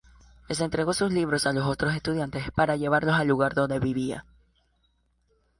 Les entregó sus libros a los otros estudiantes para llevarlos al lugar donde vivía.